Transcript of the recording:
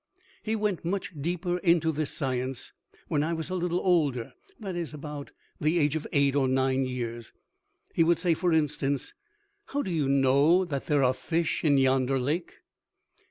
He went much deeper into this science when I was a little older, that is, about the age of eight or nine years. He would say, for instance: "How do you know that there are fish in yonder lake?"